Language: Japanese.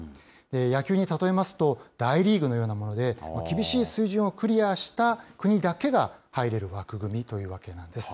野球に例えますと大リーグのようなもので、厳しい水準をクリアした国だけが、入れる枠組みというわけなんです。